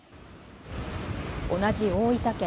同じ大分県